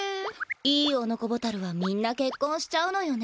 いいオノコボタルはみんなけっこんしちゃうのよね。